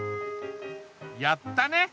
やったね！